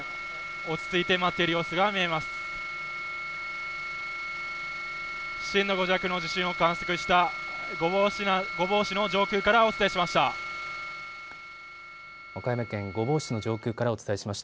落ち着いて待っている様子が見えます。